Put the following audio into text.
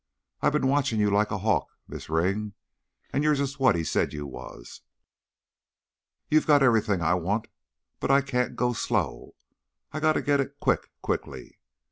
I been watching you like a hawk, Miz' Ring, and you're just what he said you was. You got everything I want, but I can't go so slow; I got to get it quick quickly.